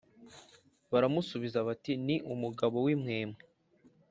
Baramusubiza bati Ni umugabo w impwempwe